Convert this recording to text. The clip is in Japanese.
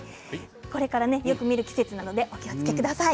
これからよく見る季節なのでお気をつけください。